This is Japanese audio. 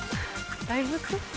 大仏？